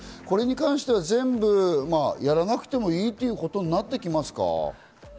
これに関しては、全部やらなくてもいいっていうことになってきますか？